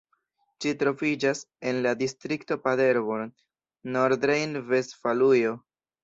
Ĝi troviĝas en la distrikto Paderborn, Nordrejn-Vestfalujo.